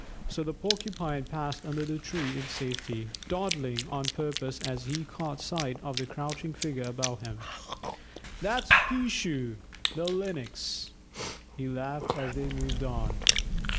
So the Porcupine passed under the tree in safety, dawdling on purpose as he caught sight of the crouching figure above him. "That's 'Peeshoo' the Lynx," he laughed as they moved on.